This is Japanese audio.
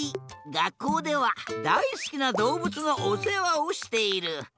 がっこうではだいすきなどうぶつのおせわをしている。